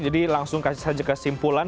jadi langsung kasih saja kesimpulan